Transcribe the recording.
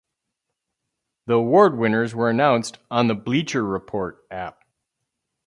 The award winners were announced on the Bleacher Report app.